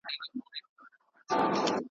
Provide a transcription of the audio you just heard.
هغه زه یم چي بلېږم له پتنګ سره پیمان یم .